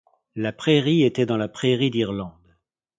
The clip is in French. La pairie était dans la pairie d'Irlande.